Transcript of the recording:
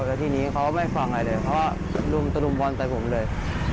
แล้วทีนี้เขาก็ไม่ฟังอะไรเลยเพราะว่ารุมตะลุมบอลใส่ผมเลย